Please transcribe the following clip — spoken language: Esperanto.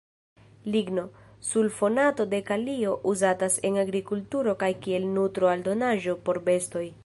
Ligno-sulfonato de kalio uzatas en agrikulturo kaj kiel nutro-aldonaĵo por bestoj.